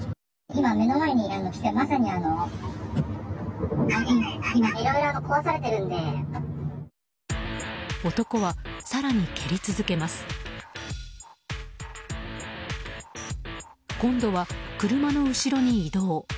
今度は車の後ろに移動。